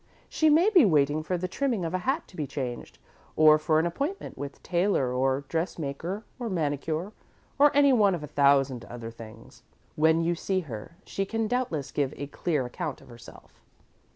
She may be waiting for the trimming of a hat to be changed, or for an appointment with tailor or dressmaker or manicure, or any one of a thousand other things. When you see her, she can doubtless give a clear account of herself."